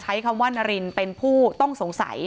จนสนิทกับเขาหมดแล้วเนี่ยเหมือนเป็นส่วนหนึ่งของครอบครัวเขาไปแล้วอ่ะ